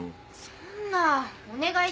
そんなお願いしますよ。